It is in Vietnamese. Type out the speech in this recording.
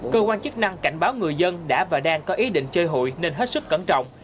chức năng cảnh báo người dân đã và đang có ý định chơi hội nên hết sức cẩn trọng